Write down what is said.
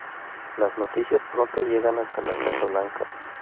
Las noticias, pronto, llegan hasta la Casa Blanca.